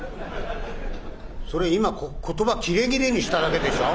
「それ今言葉切れ切れにしただけでしょ？